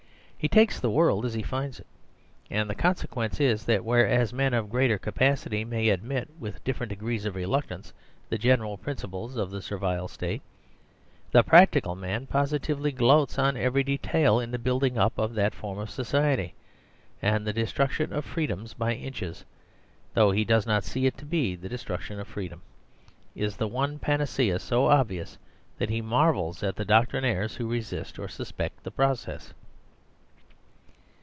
He "takes the world as he finds it" and the consequence is that whereas men of greater capacity may admit with different degrees of reluctance the general prin ciples of the Servile State,^,the Practical Man, posi tively gloats on every new detail in the building up of that form of society. And the destruction of free dom by inches (though he does not see it to be the destruction of freedom) is the one panacea so obvious that he marvels at the doctrinaires who resist or sus pect the process.